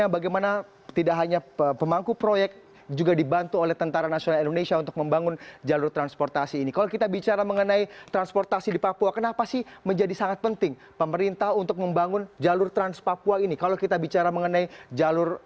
berikut laporannya untuk anda